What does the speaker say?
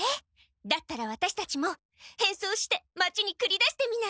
だったらワタシたちも変装して町にくり出してみない？